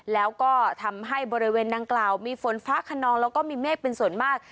แล้วก็ทำให้บริเวณดังกล่าวมีฝนฟ้าขนองแล้วก็มีเมฆเป็นส่วนมาก